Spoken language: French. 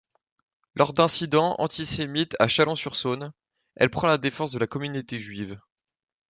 Lors d'incidents antisémites à Chalon-sur-Saône, elle prend la défense de la communauté juive.